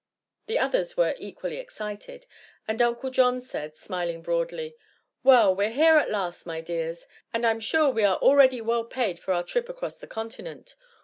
The others were equally excited, and Uncle John said, smiling broadly: "Well, we're here at last, my dears, and I'm sure we are already well paid for our trip across the continent.